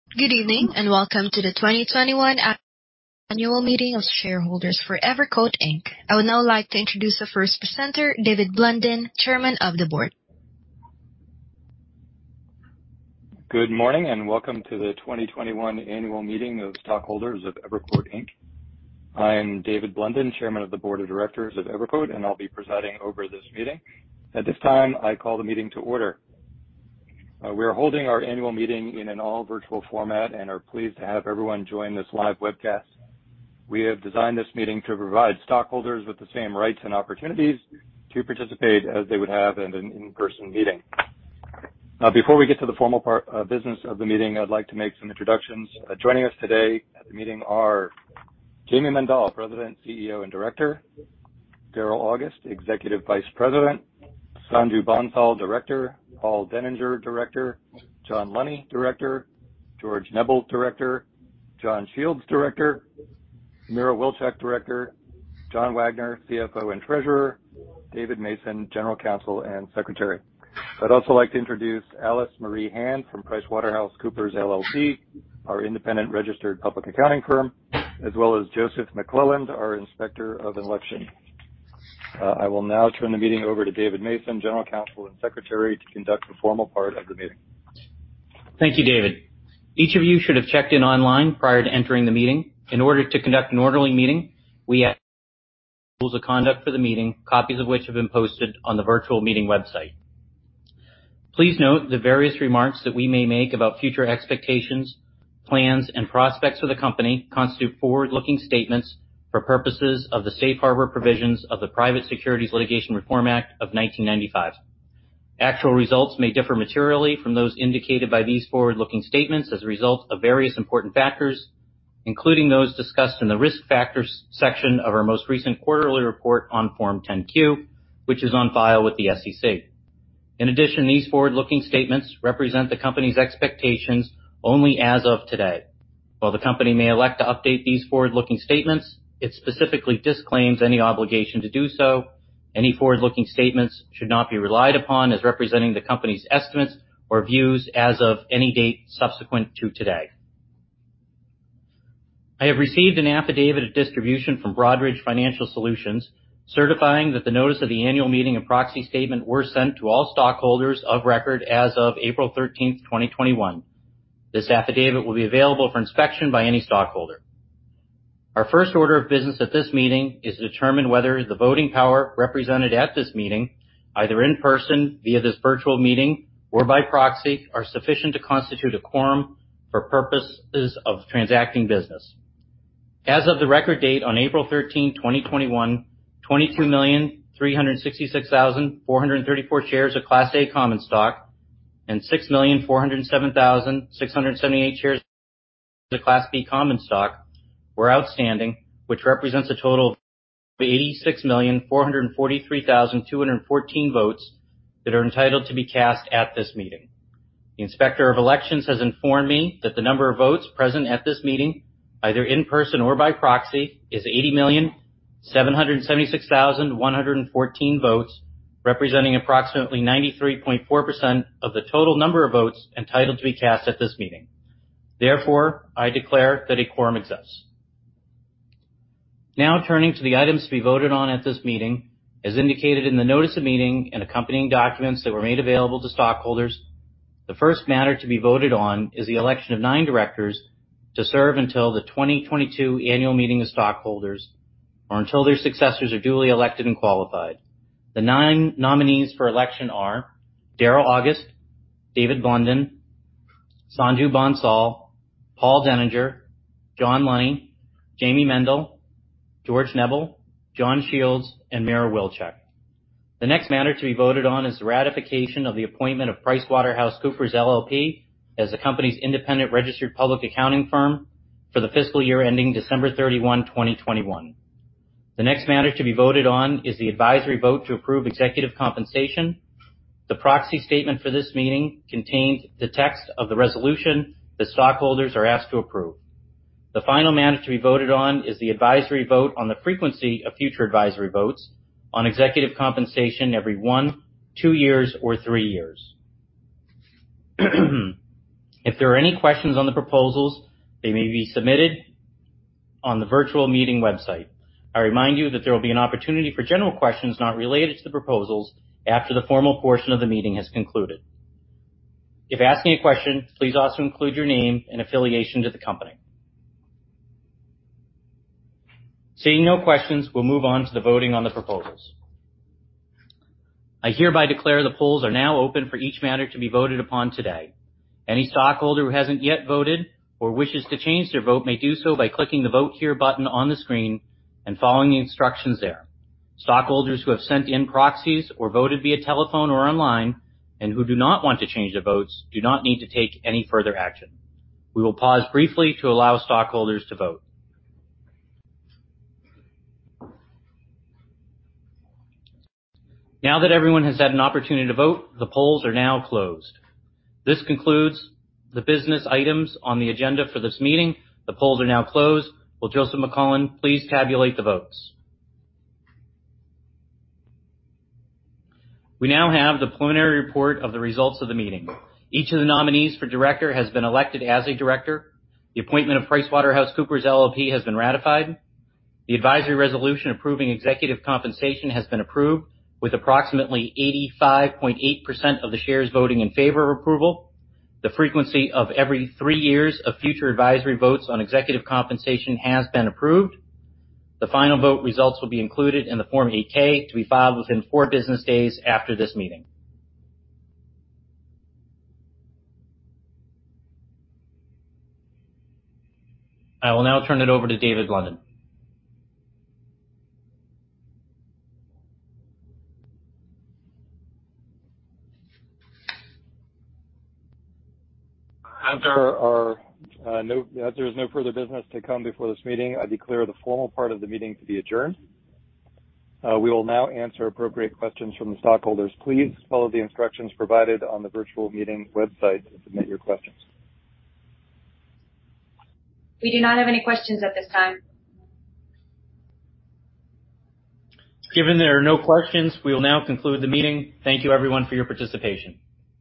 Good evening, and welcome to the 2021 Annual Meeting of Shareholders for EverQuote, Inc. I would now like to introduce our first presenter, David Blundin, Chairman of the Board. Good morning, welcome to the 2021 Annual Meeting of Stockholders of EverQuote, Inc. I am David Blundin, Chairman of the Board of Directors of EverQuote, and I'll be presiding over this meeting. At this time, I call the meeting to order. We are holding our annual meeting in an all-virtual format and are pleased to have everyone join this live webcast. We have designed this meeting to provide stockholders with the same rights and opportunities to participate as they would have at an in-person meeting. Before we get to the formal part of business of the meeting, I'd like to make some introductions. Joining us today at the meeting are Jayme Mendal, President, CEO, and Director; Darryl Auguste, Executive Vice President; Sanju Bansal, Director; Paul Deninger, Director; John Lunny, Director; George Neble, Director; John Shields, Director; Mira Wilczek, Director; John Wagner, CFO and Treasurer; David Mason, General Counsel and Secretary. I'd also like to introduce Alicemarie Hand from PricewaterhouseCoopers LLP, our independent registered public accounting firm, as well as Joseph McClelland, our Inspector of Election. I will now turn the meeting over to David Mason, General Counsel and Secretary, to conduct the formal part of the meeting. Thank you, David. Each of you should have checked in online prior to entering the meeting. In order to conduct an orderly meeting, we have rules of conduct for the meeting, copies of which have been posted on the virtual meeting website. Please note the various remarks that we may make about future expectations, plans, and prospects for the company constitute forward-looking statements for purposes of the safe harbor provisions of the Private Securities Litigation Reform Act of 1995. Actual results may differ materially from those indicated by these forward-looking statements as a result of various important factors, including those discussed in the Risk Factors section of our most recent quarterly report on Form 10-Q, which is on file with the SEC. These forward-looking statements represent the company's expectations only as of today. While the company may elect to update these forward-looking statements, it specifically disclaims any obligation to do so. Any forward-looking statements should not be relied upon as representing the company's estimates or views as of any date subsequent to today. I have received an affidavit of distribution from Broadridge Financial Solutions, certifying that the notice of the annual meeting and proxy statement were sent to all stockholders of record as of April 13, 2021. This affidavit will be available for inspection by any stockholder. Our first order of business at this meeting is to determine whether the voting power represented at this meeting, either in person via this virtual meeting or by proxy, are sufficient to constitute a quorum for purposes of transacting business. As of the record date on April 13, 2021, 22,366,434 shares of Class A common stock and 6,407,678 shares of Class B common stock were outstanding, which represents a total of 86,443,214 votes that are entitled to be cast at this meeting. The Inspector of Elections has informed me that the number of votes present at this meeting, either in person or by proxy, is 80,776,114 votes, representing approximately 93.4% of the total number of votes entitled to be cast at this meeting. Therefore, I declare that a quorum exists. Now turning to the items to be voted on at this meeting. As indicated in the notice of meeting and accompanying documents that were made available to stockholders, the first matter to be voted on is the election of 9 directors to serve until the 2022 Annual Meeting of Stockholders or until their successors are duly elected and qualified. The 9 nominees for election are Darryl Auguste, David Blundin, Sanju Bansal, Paul Deninger, John Lunny, Jayme Mendal, George Neble, John Shields, and Mira Wilczek. The next matter to be voted on is the ratification of the appointment of PricewaterhouseCoopers LLP as the company's independent registered public accounting firm for the fiscal year ending December 31, 2021. The next matter to be voted on is the advisory vote to approve executive compensation. The proxy statement for this meeting contains the text of the resolution that stockholders are asked to approve. The final matter to be voted on is the advisory vote on the frequency of future advisory votes on executive compensation every one, two years, or three years. If there are any questions on the proposals, they may be submitted on the virtual meeting website. I remind you that there will be an opportunity for general questions not related to the proposals after the formal portion of the meeting has concluded. If asking a question, please also include your name and affiliation to the company. Seeing no questions, we'll move on to the voting on the proposals. I hereby declare the polls are now open for each matter to be voted upon today. Any stockholder who hasn't yet voted or wishes to change their vote may do so by clicking the Vote Here button on the screen and following the instructions there. Stockholders who have sent in proxies or voted via telephone or online and who do not want to change their votes do not need to take any further action. We will pause briefly to allow stockholders to vote. Now that everyone has had an opportunity to vote, the polls are now closed. This concludes the business items on the agenda for this meeting. The polls are now closed. Will Joseph McClelland please tabulate the votes? We now have the preliminary report of the results of the meeting. Each of the nominees for director has been elected as a director. The appointment of PricewaterhouseCoopers LLP has been ratified. The advisory resolution approving executive compensation has been approved with approximately 85.8% of the shares voting in favor of approval. The frequency of every three years of future advisory votes on executive compensation has been approved. The final vote results will be included in the Form 8-K, to be filed within four business days after this meeting. I will now turn it over to David Blundin. As there is no further business to come before this meeting, I declare the formal part of the meeting to be adjourned. We will now answer appropriate questions from the stockholders. Please follow the instructions provided on the virtual meeting website to submit your questions. We do not have any questions at this time. Given there are no questions, we will now conclude the meeting. Thank you everyone for your participation.